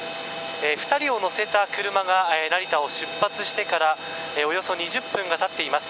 ２人を乗せた車が成田を出発してからおよそ２０分が経っています。